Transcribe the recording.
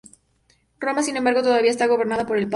Roma, sin embargo, todavía está gobernada por el Papa.